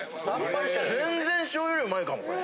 全然醤油よりうまいかもこれ。